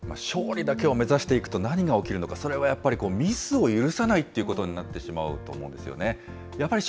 勝利だけを目指していくと何が起きるのか、それはやっぱりミスを許さないっていうことになってしまうと思うんですよね。